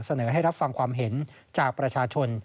เสนอให้รับฟังความเห็นจากประชาชน